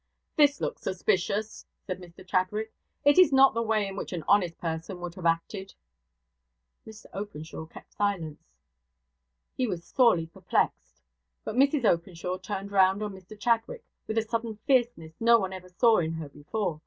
'This looks suspicious,' said Mr Chadwick. 'It is not the way in which an honest person would have acted.' Mr Openshaw kept silence. He was sorely perplexed. But Mrs Openshaw turned round on Mr Chadwick, with a sudden fierceness no one ever saw in her before.